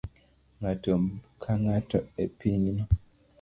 Ng'ato ka ng'ato e pinyno